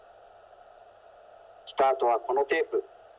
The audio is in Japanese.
スタートはこのテープ。